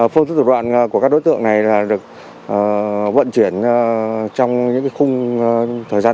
phương tức tổ đoạn của các đối tượng này được vận chuyển trong những khung thời gian